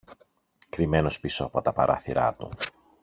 Κρυμμένος πίσω από τα παράθυρα του